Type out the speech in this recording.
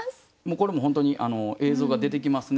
これもう本当に映像が出てきますね。